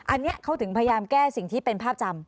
อันนี้เขาถึงพยายามแก้สิ่งที่เป็นภาพจำ